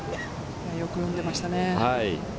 よく読んでいましたね。